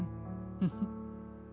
フフッ。